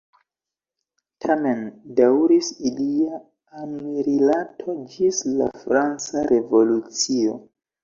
Tamen daŭris ilia amrilato ĝis la franca revolucio.